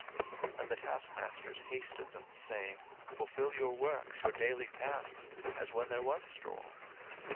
02:005:013 And the taskmasters hasted them, saying, Fulfil your works, your daily tasks, as when there was straw.